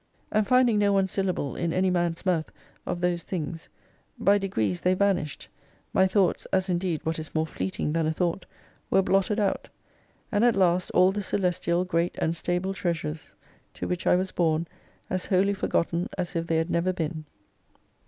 And finding no one syllable in any man's mouth of those things, by degrees they vanished, my thoughts (as indeed what is more fleeting than a thought ?) were blotted out ; and at last all the celestial, great, and stable treasures to which I was born, as wholly forgotten, as if they had never been.